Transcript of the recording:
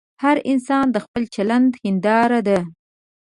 هر انسان د خپل چلند هنداره ده.